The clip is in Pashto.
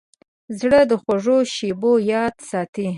زړه د خوږو شیبو یاد ساتي.